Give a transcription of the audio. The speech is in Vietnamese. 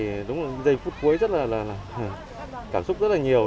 thì đúng là giây phút cuối rất là cảm xúc rất là nhiều